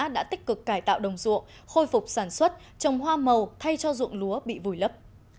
đã tích cực cải tạo đồng ruộng khôi phục sản xuất trồng hoa màu thay cho dụng lúa bị vùi lấp